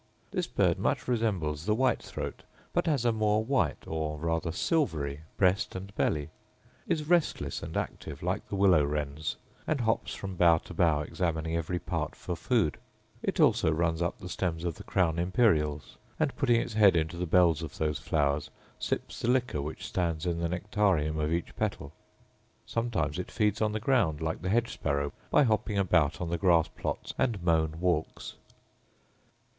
This bird much resembles the white throat, but has a more white or rather silvery breast and belly; is restless and active, like the willow wrens, and hops from bough to bough, examining every part for food; it also runs up the stems of the crown imperials, and, putting its head into the bells of those flowers, sips the liquor which stands in the nectarium of each petal. Sometimes it feeds on the ground, like the hedge sparrow, by hopping about on the grass plots and mown walks.